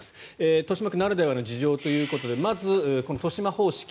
豊島区ならではの事情ということでまず豊島方式